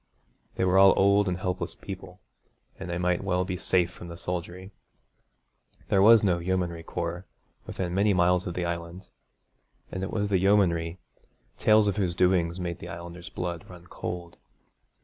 They were all old and helpless people, and they might well be safe from the soldiery. There was no yeomanry corps within many miles of the Island, and it was the yeomanry, tales of whose doings made the Islanders' blood run cold.